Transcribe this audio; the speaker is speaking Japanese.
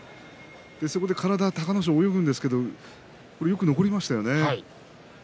そこで隆の勝泳ぐんですけどよく残りましたよね。